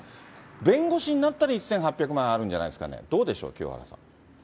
弁護士になったら１８００万あるんじゃないですかね、どうでしょ